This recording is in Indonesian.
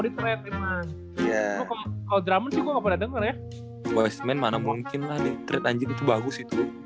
di tread ya kalau drama juga nggak pernah denger ya mana mungkin lah di tread anjing itu bagus itu